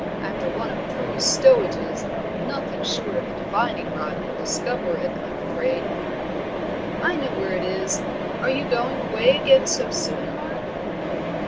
after one of Prue's stowages, nothing short of a divining rod will discover it, I'm afraid." "I know where it is. Are you going away again so soon, Mark?"